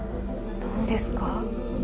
何ですか？